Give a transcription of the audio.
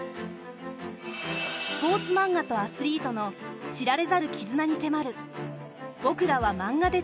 スポーツマンガとアスリートの知られざる絆に迫る